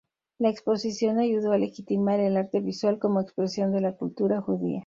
La exposición ayudó a legitimar el arte visual como expresión de la cultura judía.